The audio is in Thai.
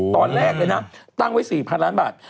ตอนแรกเลยนะตั้งไว้๔๐๐ล้านบาท